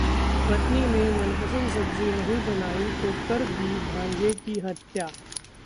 पत्नी ने मनपसंद सब्जी नहीं बनाई तो कर दी भांजे की हत्या